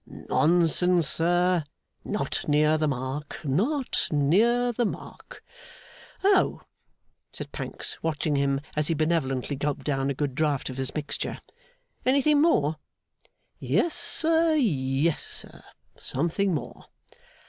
'Nonsense, sir. Not near the mark, not near the mark.' 'Oh!' said Pancks, watching him as he benevolently gulped down a good draught of his mixture. 'Anything more?' 'Yes, sir, yes, sir, something more.